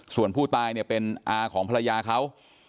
ส่วนผู้ตายเนี่ยเป็นอาของภรรยาเขา